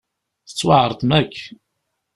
Tettwaεrḍem akk.